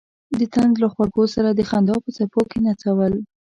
د طنز له خوږو سره د خندا په څپو کې نڅول.